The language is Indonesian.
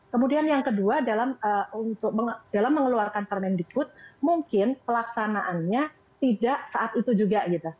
kemudian yang kedua dalam mengeluarkan permendikbud mungkin pelaksanaannya tidak saat itu juga